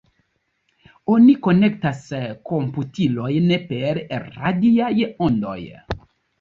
Oni konektas komputilojn per radiaj ondoj.